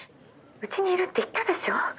うちにいるって言ったでしょ。